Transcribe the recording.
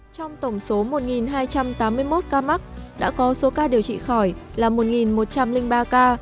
trong tổng số một hai trăm tám mươi một ca mắc đã có số ca điều trị khỏi là một một trăm linh ba ca